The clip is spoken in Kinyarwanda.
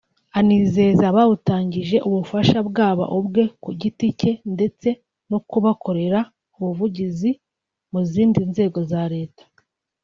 anizeza abawutangije ubufasha bwaba ubwe ku giti cye ndetse no kubakorera ubuvugizi mu zindi nzego za Leta